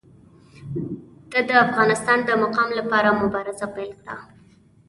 ده د افغانستان د مقام لپاره مبارزه پیل کړه.